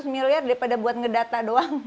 lima ratus miliar daripada buat ngedata doang